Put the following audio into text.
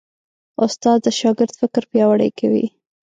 استاد د شاګرد فکر پیاوړی کوي.